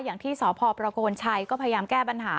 อย่างที่สพประโคนชัยก็พยายามแก้ปัญหา